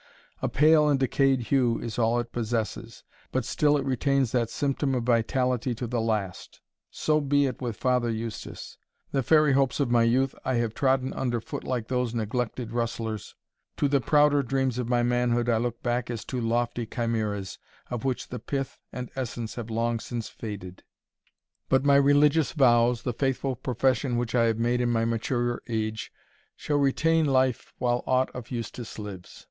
A pale and decayed hue is all it possesses, but still it retains that symptom of vitality to the last. So be it with Father Eustace! The fairy hopes of my youth I have trodden under foot like those neglected rustlers to the prouder dreams of my manhood I look back as to lofty chimeras, of which the pith and essence have long since faded; but my religious vows, the faithful profession which I have made in my maturer age, shall retain life while aught of Eustace lives.